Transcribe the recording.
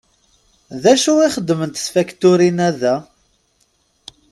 D acu i xeddment tfakturin-a da?